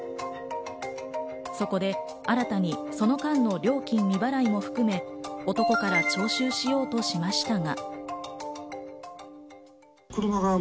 そこで新たにその間の料金未払いも含め男から徴収しようとしましたが。